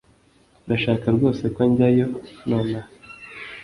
Urashaka rwose ko njyayo nonaha